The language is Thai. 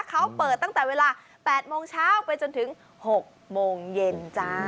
เขาเปิดตั้งแต่เวลา๘โมงเช้าไปจนถึง๖โมงเย็นจ้า